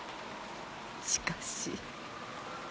しかし。